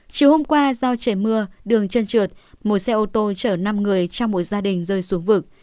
chiều hôm qua do trời mưa đường chân trượt một xe ô tô chở năm người trong một gia đình rơi xuống vực